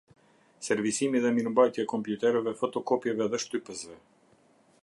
Servisimi dhe mirëmbajtja e kompjuterëve, fotokopjeve dhe shtypësve